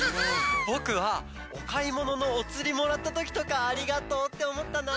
ぼくはおかいもののおつりもらったときとか「ありがとう」っておもったな。